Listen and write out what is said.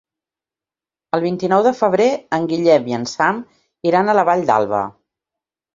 El vint-i-nou de febrer en Guillem i en Sam iran a la Vall d'Alba.